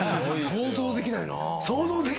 想像できないな。